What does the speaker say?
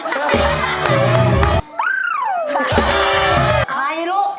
ใครหรอก